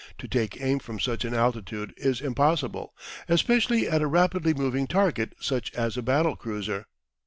To take aim from such an altitude is impossible, especially at a rapidly moving target such as a battle cruiser.